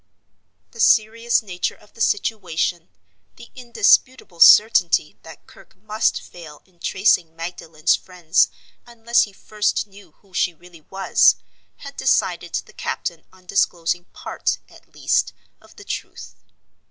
The serious nature of the situation, the indisputable certainty that Kirke must fail in tracing Magdalen's friends unless he first knew who she really was, had decided the captain on disclosing part, at least, of the truth.